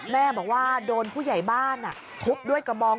แม่บอกว่าโดนผู้ใหญ่บ้านทุบด้วยกระบอง